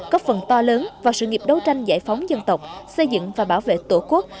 góp phần to lớn vào sự nghiệp đấu tranh giải phóng dân tộc xây dựng và bảo vệ tổ quốc